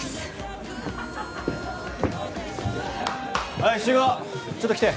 はい集合ちょっと来て。